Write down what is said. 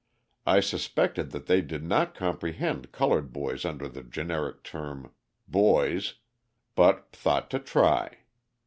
I suspected that they did not comprehend coloured boys under the generic term 'boys,' but thought to try.